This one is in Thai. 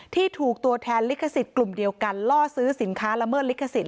ที่ถูกตัวแทนลิขสิทธิ์กลุ่มเดียวกันล่อซื้อสินค้าละเมิดลิขสิท